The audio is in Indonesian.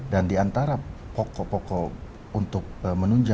dan di antara pokok pokok untuk menunjukkan